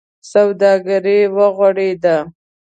سوداګري و غوړېده.